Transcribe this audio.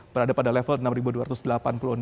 berada pada level enam dua ratus delapan puluh enam